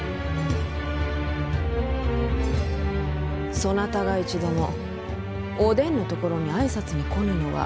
そなたが一度もお伝のところに挨拶に来ぬのは？